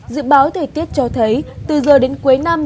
dự báo thời tiết cho thấy từ giờ đến cuối năm